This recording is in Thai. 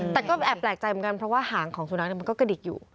แต่ก็แอบแปลกใจเหมือนกันเพราะว่าหางของสุนัขมันก็กระดิกอยู่